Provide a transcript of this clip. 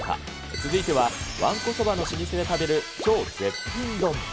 続いてはわんこそばの老舗で食べる超絶品丼。